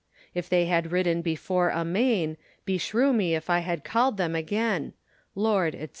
If they had ridden before amaine, Beshrew me if I had cald them againe. Lord, &c.